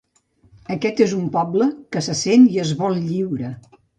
Aquest és un poble que se sent i es vol lliure.